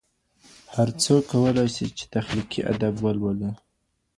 هر څوک کولای سي چي تخلیقي ادب ولولي.